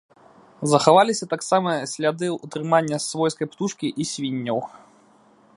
Захаваліся таксама сляды ўтрымання свойскай птушкі і свінняў.